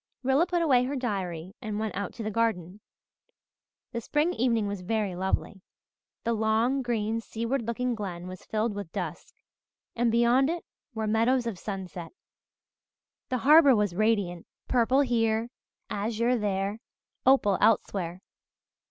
Rilla put away her diary and went out to the garden. The spring evening was very lovely. The long, green, seaward looking glen was filled with dusk, and beyond it were meadows of sunset. The harbour was radiant, purple here, azure there, opal elsewhere.